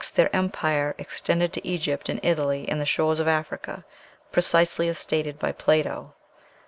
Their empire extended to Egypt and Italy and the shores of Africa, precisely as stated by Plato.